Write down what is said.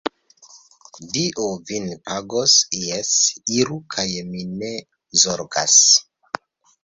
Dio vin pagos, jes, iru kaj mi ne zorgas.